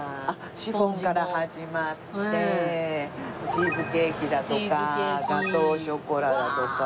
シフォンから始まってチーズケーキだとかガトーショコラだとか。